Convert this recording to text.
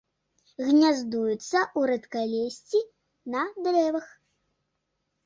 Гняздуецца ў рэдкалессі, на дрэвах.